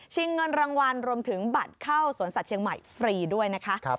เงินรางวัลรวมถึงบัตรเข้าสวนสัตว์เชียงใหม่ฟรีด้วยนะคะ